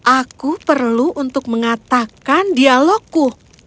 aku perlu untuk mengatakan dialogku